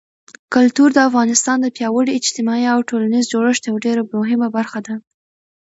کلتور د افغانستان د پیاوړي اجتماعي او ټولنیز جوړښت یوه ډېره مهمه برخه ده.